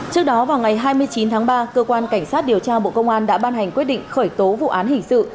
trước đó vào ngày hai mươi chín tháng ba cơ quan cảnh sát điều tra bộ công an đã ban hành quyết định khởi tố vụ án hình sự